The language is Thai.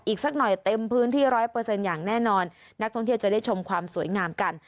อีกสักหน่อยเต็มพื้นที่๑๐๐อย่างแน่นอนนักท่องเที่ยวจะได้ชมความสวยงามกัน